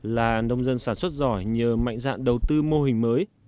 là nông dân sản xuất giỏi nhờ mạnh dạn đầu tư mô hình mới